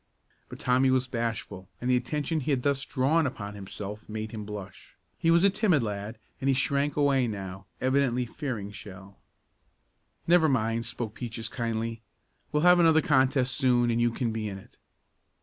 But Tommy was bashful, and the attention he had thus drawn upon himself made him blush. He was a timid lad and he shrank away now, evidently fearing Shell. "Never mind," spoke Peaches kindly, "we'll have another contest soon and you can be in it."